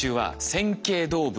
線形動物。